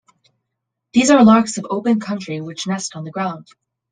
These are larks of open country which nest on the ground.